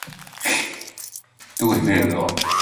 If allowed, they will tree almost any animal smaller than them.